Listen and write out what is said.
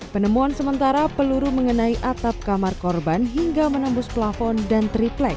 penemuan sementara peluru mengenai atap kamar korban hingga menembus plafon dan triplek